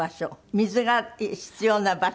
水が必要な場所？